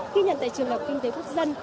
ghi nhận tại trường học kinh tế quốc dân